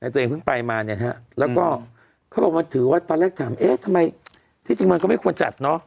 ตัวเองเพิ่งไปมาแล้วก็เขาบอกว่าถือวัดตอนแรกถามทำไมที่จริงมันก็ไม่ควรจัด